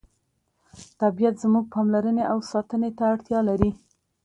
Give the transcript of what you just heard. طبیعت زموږ پاملرنې او ساتنې ته اړتیا لري